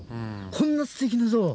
こんなすてきな象を？